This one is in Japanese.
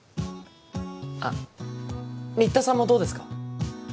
あっ新田さんもどうですか？